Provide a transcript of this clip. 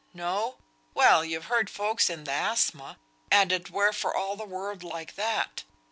No! Well! you've heard folks in th' asthma, and it were for all the world like that.